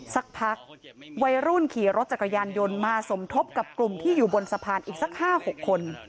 สักพักวัยรุ่นขี่รถจักรยานยนต์มาสมทบกับกลุ่มที่อยู่บนสะพานอีกสัก๕๖คน